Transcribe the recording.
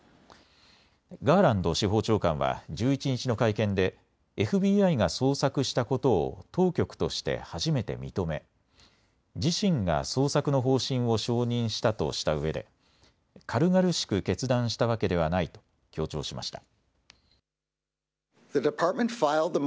ガーランド司法長官は１１日の会見で、ＦＢＩが捜索したことを当局として初めて認め自身が捜索の方針を承認したとしたうえで軽々しく決断したわけではないと強調しました。